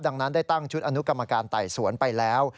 ดังนั้นได้ตั้งชุดอนุกรรมการไต่สวนไปแล้ว